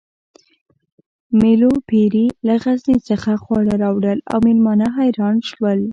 مېلو پېري له غزني څخه خواړه راوړل او مېلمانه حیران شول